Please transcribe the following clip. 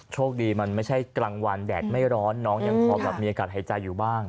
โชคดีมันไม่ใช่กลางวันแดดไม่ร้อนน้องยังพอแบบมีอากาศหายใจอยู่บ้าง